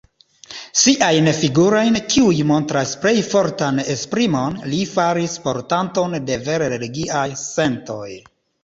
Siajn figurojn, kiuj montras plej fortan esprimon, li faris portantoj de vere religiaj sentoj.